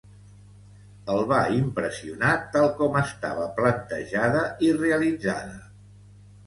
El va impressionar tal com estava plantejada i realitzada